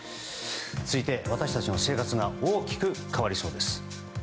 そして、私たちの生活が大きく変わりそうです。